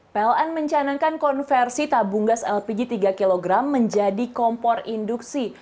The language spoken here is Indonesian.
peln mencanankan konversi tabung gas lpg tiga kg menjadi kompor induksi